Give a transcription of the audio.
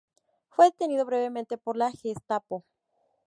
Fue detenido brevemente por la Gestapo.